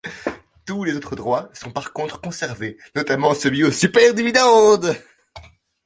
Tous les autres droits sont par contre conservés, notamment celui au super dividende.